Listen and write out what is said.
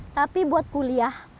tapi buat kuliah